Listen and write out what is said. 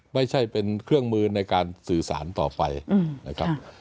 ไม่ใช่เป็นเครื่องมือในการสื่อสารต่อไปนะครับ